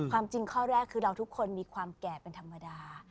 จริงข้อแรกคือเราทุกคนมีความแก่เป็นธรรมดา